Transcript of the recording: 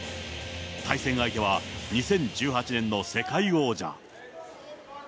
対戦相手は２０１８年の世界王者。